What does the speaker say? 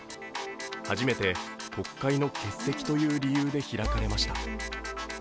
初めて国会の欠席という理由で開かれました。